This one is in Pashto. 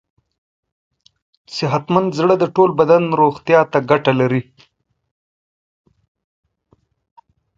صحتمند زړه د ټول بدن روغتیا ته ګټه لري.